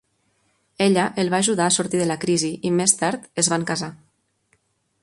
Ella el va ajudar a sortir de la crisi, i més tard es van casar.